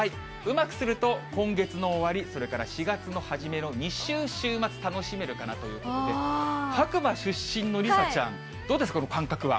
うまくすると、今月の終わり、それから４月の初めの２週、週末、楽しめるかなということで、白馬出身の梨紗ちゃん、どうですか？